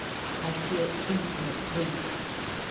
I feel Infinite Grief.